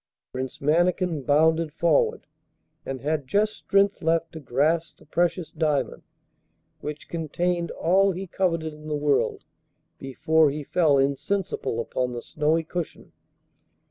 Prince Mannikin bounded forward, and had just strength left to grasp the precious diamond which contained all he coveted in the world before he fell insensible upon the snowy cushion.